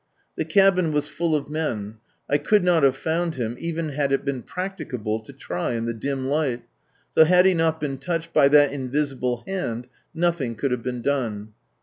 The cabin was full of men. I could not have found him, even had it been practicable to try in the dim ligbt, so liad he not been touched by that invi sible hand, nothing could have been done.